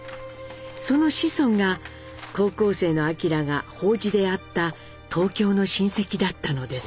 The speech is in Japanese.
その子孫が高校生の明が法事で会った東京の親戚だったのです。